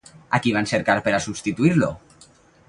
A qui van cercar per a substituir-lo?